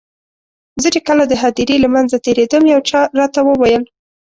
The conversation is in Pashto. زه چې کله د هدیرې له منځه تېرېدم یو چا راته وویل.